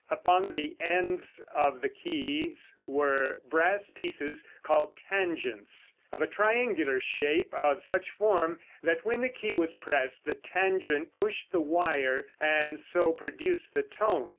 Upon the ends of the keys were brass pieces called "tangents," of a triangular shape, of such form that when the key was pressed, the tangent pushed the wire and so produced the tone.